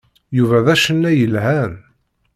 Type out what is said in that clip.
Yuba d acennay yelhan.